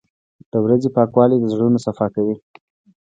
• د ورځې پاکوالی د زړونو صفا کوي.